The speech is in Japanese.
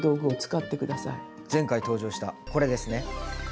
前回登場したこれですね。